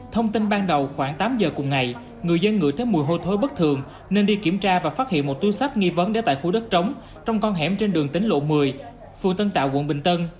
thông tin ban đầu khoảng tám giờ cùng ngày người dân ngửi thấy mùi hôi thối bất thường nên đi kiểm tra và phát hiện một túi sách nghi vấn để tại khu đất trống trong con hẻm trên đường tính lộ một mươi phường tân tạo quận bình tân